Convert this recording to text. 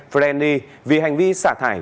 frenly vì hành vi xả thải